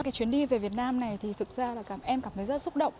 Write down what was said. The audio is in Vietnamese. cái chuyến đi về việt nam này thì thực ra là em cảm thấy rất xúc động